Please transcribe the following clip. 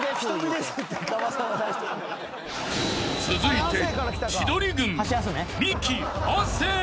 ［続いて］